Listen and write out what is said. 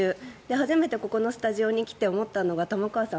初めてここのスタジオに来て思ったのが玉川さん